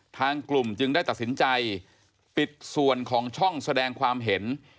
ทางกลุ่มจึงได้ตัดสินใจปิดส่วนของช่องแสดงความเห็น